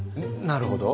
なるほど。